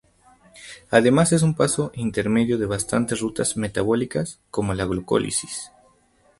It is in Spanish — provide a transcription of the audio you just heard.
Además, es un paso intermedio de bastantes rutas metabólicas, como la glucólisis.